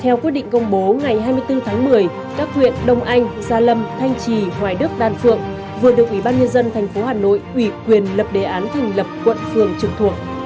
theo quyết định công bố ngày hai mươi bốn tháng một mươi các huyện đông anh gia lâm thanh trì hoài đức đan phượng vừa được ủy ban nhân dân tp hà nội ủy quyền lập đề án thành lập quận phường trực thuộc